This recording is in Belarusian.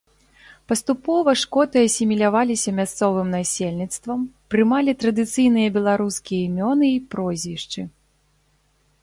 Паступова шкоты асіміляваліся мясцовым насельніцтвам, прымалі традыцыйныя беларускія імёны і прозвішчы.